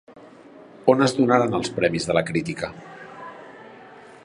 On es donaran el premis de la Crítica?